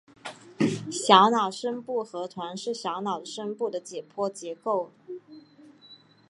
小脑深部核团是小脑的深部的解剖结构。